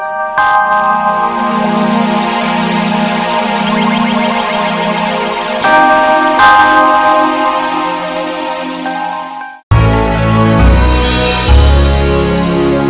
kita akan berbicara lagi